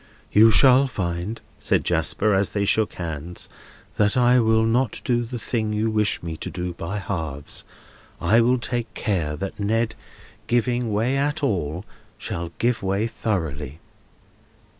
"You shall find," said Jasper, as they shook hands, "that I will not do the thing you wish me to do, by halves. I will take care that Ned, giving way at all, shall give way thoroughly."